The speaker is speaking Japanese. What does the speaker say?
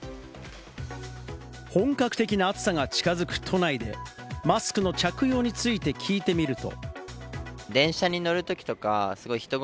本格的な暑さが近づく都内で、マスクの着用について聞いてみると。